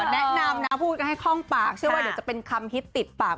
แนะนำนะพูดกันให้คล่องปากเชื่อว่าเดี๋ยวจะเป็นคำฮิตติดปาก